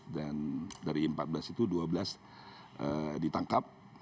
dan dari empat belas itu dua belas ditangkap